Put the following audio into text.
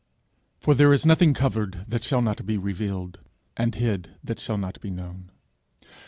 For there is nothing covered, that shall not be revealed; and hid, that shall not be known.